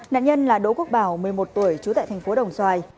nạn nhân là đỗ quốc bảo một mươi một tuổi trú tại thành phố đồng xoài